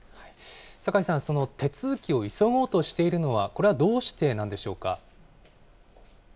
酒井さん、その手続きを急ごうとしているのはこれはどうしてなんでしょうか。